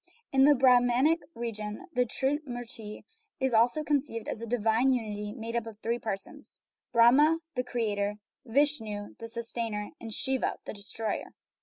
In the Brahmanic religion the Trimurti is also conceived as a "divine unity" made up of three persons Brahma (the creator), Vishnu (the sustainer), and Shiva (the destroyer).